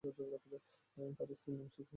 তার স্ত্রীর নাম সুফিয়া খাতুন।